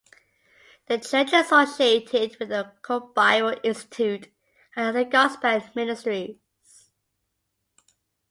The church is associated with the Cork Bible Institute and other Gospel ministries.